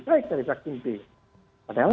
baik dari vaksin b padahal